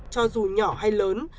cho dù nhỏ hay lớn